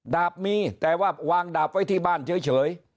ดาบมีแต่ว่าวางดาบไว้ที่บ้านเฉย